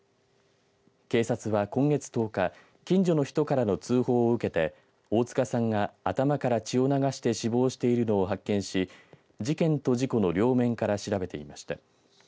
警察は今月１０日近所の人からの通報を受けて大塚さんが頭から血を流して死亡しているのを発見し事件と事故の両面から調べていました。